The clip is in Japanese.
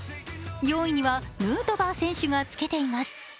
４位にはヌートバー選手がつけています。